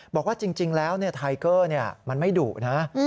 บอกว่าจริงแล้วเนี่ยไทเกอร์เนี่ยมันไม่ดุนะ